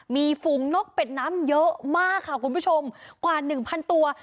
มีฝูงนกเป็ดน้ำเยอะมากค่ะคุณผู้ชมกว่าหนึ่งพันตัว